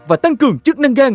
và tăng cường chức năng gan